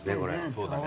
そうだね。